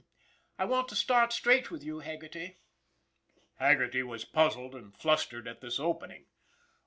I want to start straight with you, Haggerty." Haggerty was puzzled and flustered at this opening.